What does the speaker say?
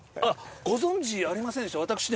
あご存じありませんでした？